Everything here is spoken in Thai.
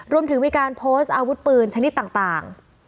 รวมถึงมีการโพสต์อาวุธปืนชนิดต่าง